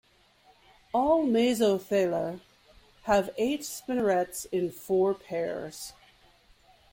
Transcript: All Mesothelae have eight spinnerets in four pairs.